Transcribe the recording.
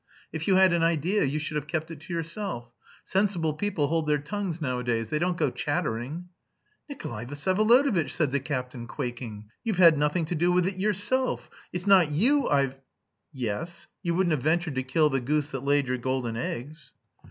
If you had an idea you should have kept it to yourself. Sensible people hold their tongues nowadays; they don't go chattering." "Nikolay Vsyevolodovitch!" said the captain, quaking. "You've had nothing to do with it yourself; it's not you I've..." "Yes. You wouldn't have ventured to kill the goose that laid your golden eggs."